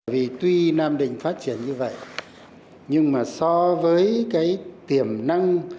vì tuy nam định phát triển như vậy nhưng mà so với cái tiềm năng